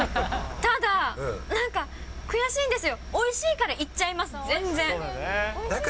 ただ、なんか悔しいんですよ、おいしいからいっちゃいます、全然。